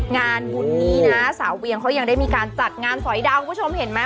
งานบุญนี้นะสาวเวียงเขายังได้มีการจัดงานสอยดาวคุณผู้ชมเห็นไหม